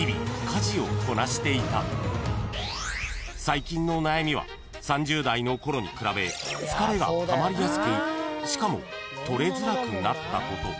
［最近の悩みは３０代のころに比べ疲れがたまりやすくしかも取れづらくなったこと］